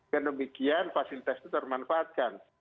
dan demikian fasilitas itu termanfaatkan